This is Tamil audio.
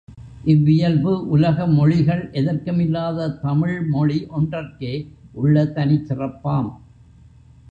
இவ்வியல்பு உலக மொழிகள் எதற்கும் இல்லாத தமிழ் மொழி ஒன்றற்கே உள்ள தனிச் சிறப்பாம்.